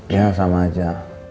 ya sama aja